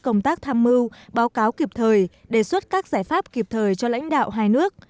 công tác tham mưu báo cáo kịp thời đề xuất các giải pháp kịp thời cho lãnh đạo hai nước